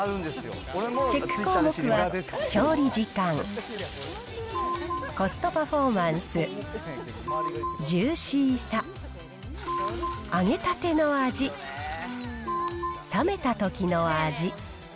チェック項目は調理時間、コストパフォーマンス、ジューシーさ、揚げたての味、冷めたときの味。